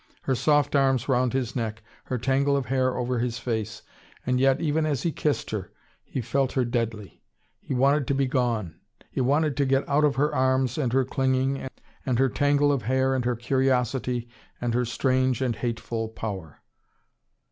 Her soft arms round his neck, her tangle of hair over his face. And yet, even as he kissed her, he felt her deadly. He wanted to be gone. He wanted to get out of her arms and her clinging and her tangle of hair and her curiosity and her strange and hateful power.